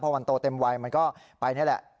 พอมันโตเต็มวัยมันก็ไปนี่แหละ